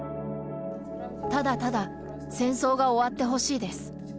ただただ戦争が終わってほしいです。